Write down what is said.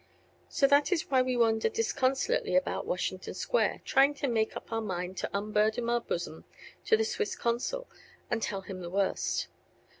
So that is why we wander disconsolately about Washington Square, trying to make up our mind to unburden our bosom to the Swiss consul and tell him the worst.